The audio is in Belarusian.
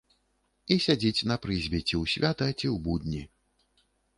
І сядзіць на прызбе ці ў свята, ці ў будні.